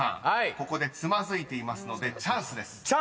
ここでつまずいていますのでチャンスです］